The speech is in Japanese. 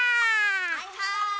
・はいはい！